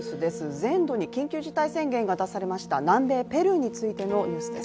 全土に緊急事態宣言が出されました南米ペルーについてのニュースです。